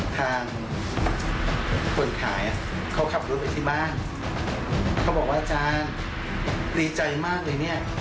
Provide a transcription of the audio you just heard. ทางคนขายอ่ะเขาขับรถไปที่บ้านเขาบอกว่าอาจารย์ดีใจมากเลยเนี่ย